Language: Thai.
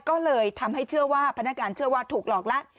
ก็เลยทำให้พนักงานเชื่อว่าถูกหลอกแล้ว